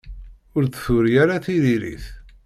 Ur d-turi ara tiririt.